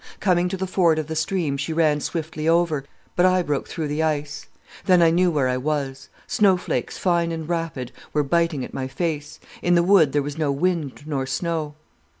Coming to the ford of the stream she ran swiftly over, but I broke through the ice. Then I knew where I was. Snowflakes, fine and rapid, were biting at my face. In the wood there was no wind nor snow.